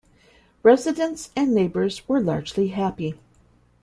Residents and neighbours were largely happy.